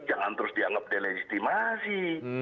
jangan terus dianggap delegitimasi